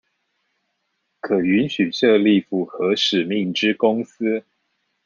可允許設立符合使命之公司